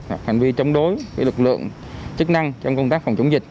hành vi chống đối với lực lượng chức năng trong công tác phòng chống dịch